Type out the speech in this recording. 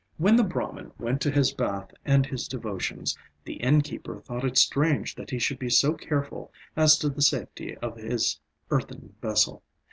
When the Brahman went to his bath and his devotions, the innkeeper thought it strange that he should be so careful as to the safety of his earthen vessel.